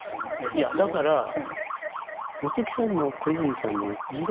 いやだから本木さんも小泉さんもああハハハ。